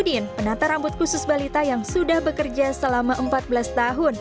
dan juga penata rambut khusus balita yang sudah bekerja selama empat belas tahun